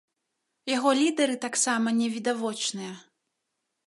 Яго лідары таксама невідавочныя.